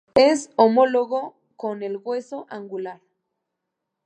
Es homólogo con el hueso angular.